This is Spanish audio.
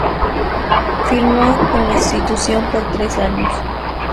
Firmó con la institución por tres años.